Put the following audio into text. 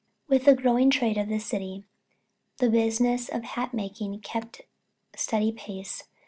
With the growing trade of the city, the business of hat making kept steady pace.